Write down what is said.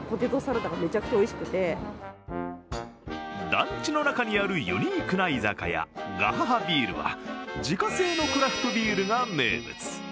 団地の中にあるユニークな居酒屋、ガハハビールは、自家製のクラフトビールが名物。